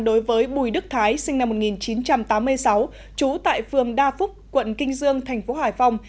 đối với bùi đức thái sinh năm một nghìn chín trăm tám mươi sáu trú tại phường đa phúc quận kinh dương thành phố hải phòng